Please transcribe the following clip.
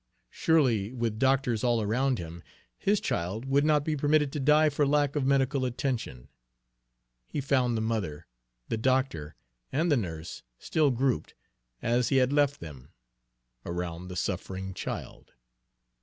Surely, with doctors all around him, his child would not be permitted to die for lack of medical attention! He found the mother, the doctor, and the nurse still grouped, as he had left them, around the suffering child.